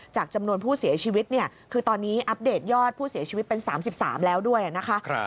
จำนวนผู้เสียชีวิตเนี่ยคือตอนนี้อัปเดตยอดผู้เสียชีวิตเป็น๓๓แล้วด้วยนะคะ